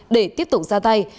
để tiếp tục ra tay